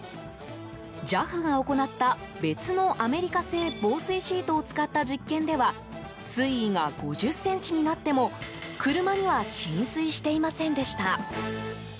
ＪＡＦが行った別のアメリカ製防水シートを使った実験では水位が５０ｃｍになっても車には浸水していませんでした。